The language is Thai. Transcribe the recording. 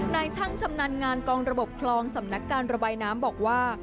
นายช่างชำนาญงานกองระบบคลองสำนักการระบายน้ำบอกว่า